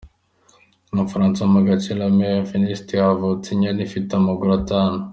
Mu Bufaransa mu gace ka Lameur i Finistère havutse inyana ifite amaguru atanu.